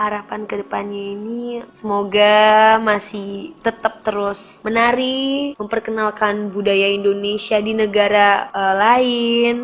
harapan kedepannya ini semoga masih tetap terus menari memperkenalkan budaya indonesia di negara lain